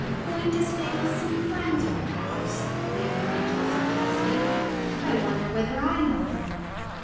"Going to stay with some friends perhaps?" Lady Rachel suggested. "I wonder whether I know them?"